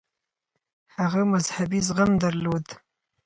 هغه مذهبي زغم درلود.